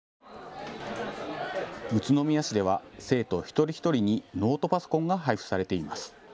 宇都宮市では生徒一人一人にノートパソコンが配付されています。